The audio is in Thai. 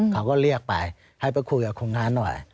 เขาก็เรียกไปให้ไปคุยกับคนงานหน่อย